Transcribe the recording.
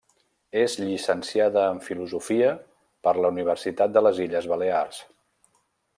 És llicenciada en Filosofia per la Universitat de les Illes Balears.